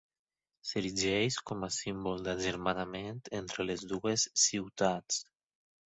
S'erigeix com a símbol d'agermanament entre les dues ciutats.